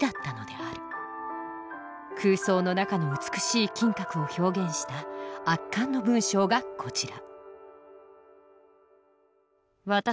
空想の中の美しい金閣を表現した圧巻の文章がこちら！